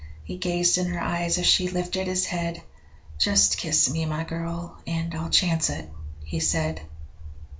He gazed in her eyes as she lifted his head: 'Just kiss me my girl and I'll chance it,' he said.